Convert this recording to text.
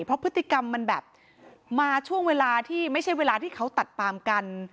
เพราะพฤติกรรมมันแบบมาช่วงเวลาที่ไม่ใช่เวลาที่เขาตัดปามกัน